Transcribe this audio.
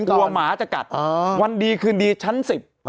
หมาจะกัดวันดีคืนดีชั้นสิบ